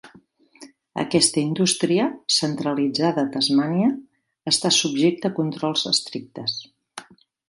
Aquesta indústria, centralitzada a Tasmània, està subjecta a controls estrictes.